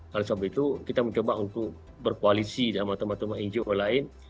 lalu setelah itu kita mencoba untuk berkoalisi dengan teman teman ngo lain